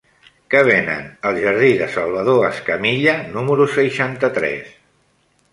Què venen al jardí de Salvador Escamilla número seixanta-tres?